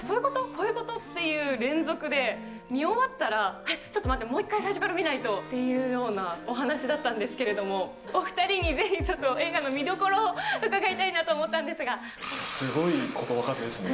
こういうこと？っていう連続で、見終わったら、えっ、ちょっと待って、もう一回最初から見ないとっていうお話だったんですけれども、お２人にぜひ、ちょっと映画の見どころを伺いたいなと思ったんですごいことば数ですね。